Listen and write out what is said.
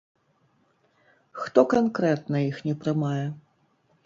Хто канкрэтна іх не прымае?